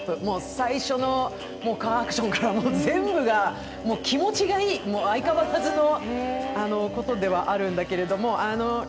最初のカーアクションから全部が気持ちがいい、相変わらずのことではあるんだけども。